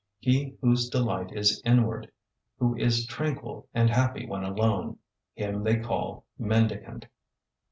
He whose delight is inward, who is tranquil and happy when alone him they call "mendicant."'